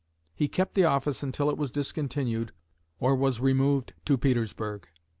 He kept the office until it was discontinued, or was removed to Petersburg."